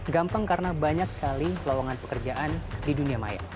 gampang karena banyak sekali lawangan pekerjaan di dunia maya